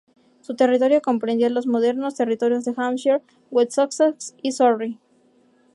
Su territorio comprendía las modernos territorios de Hampshire, West Sussex y Surrey.